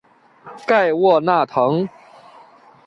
盖沃纳滕。